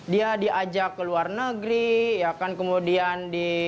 dia diajak ke luar negeri ya kan kemudian di